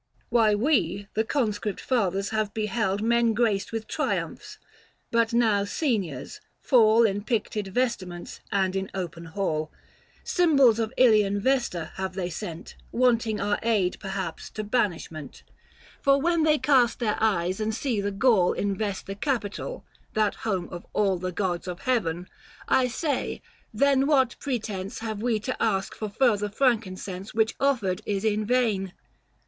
425 Why we, the Conscript Fathers, have beheld Men graced with triumphs, but now seniors, fall In picted vestments and in open hall. Symbols of Ilian Vesta have they sent Wanting our aid, perhaps, to banishment ; 430 Book VI. THE FASTI. 189 For when they cast their eyes, and see the Gaul Invest the capitol — that home of all The gods of heaven, — I say, then what pretence Have we to ask for further frankincense, Which offered is in vain